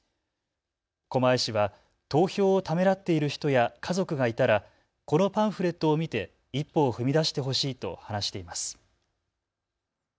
狛江市は投票をためらっている人や家族がいたらこのパンフレットを見て一歩を踏み出してほしいと話しています。